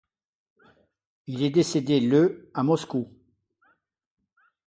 Il est décédé le à Moscou.